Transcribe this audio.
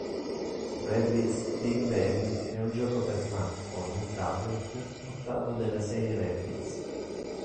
Rabbids Big Bang è un gioco per smartphone e tablet, ottavo della serie Rabbids.